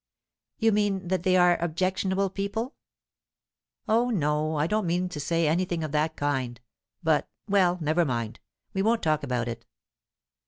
"You mean that they are objectionable people?" "Oh no; I don't mean to say anything of that kind. But well, never mind, we won't talk about it."